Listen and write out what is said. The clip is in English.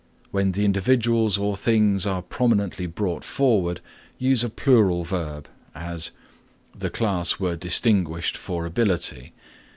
When the individuals or things are prominently brought forward, use a plural verb; as The class were distinguished for ability.